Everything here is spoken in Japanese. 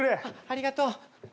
ありがとう。